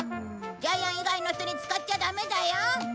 ジャイアン以外の人に使っちゃダメだよ。